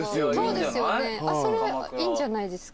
いいんじゃないですか？